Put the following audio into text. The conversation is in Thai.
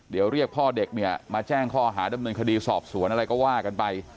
เดี๋ยวเรียกพ่อเด็กเนี่ยมาแจ้งข้อหาดำเนินคดีสอบสวนอะไรก็ว่ากันไป